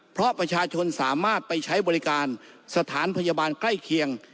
เพราะประชาชนสามารถไปใช้บริการสถานพยาบาลใกล้เคียง